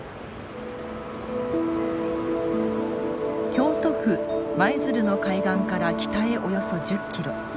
京都府舞鶴の海岸から北へおよそ１０キロ。